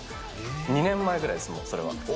２年前ぐらいです、もう、それは。